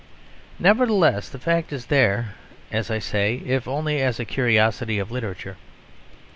Nevertheless the fact is there, as I say, if only as a curiosity of literature.